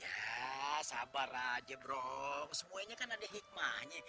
ya sabar aja bro semuanya kan ada hikmahnya